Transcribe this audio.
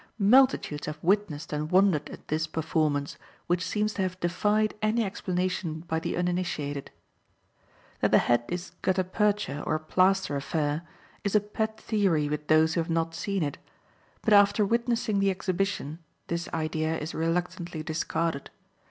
Multitudes have witnessed and wondered at this performance, which seems to have defied any explanation by the uninitiated. That the head is a gutta percha or plaster affair, is a pet theory with those who have not seen it, but after witnessing the exhibition this idea is reluctantly discarded.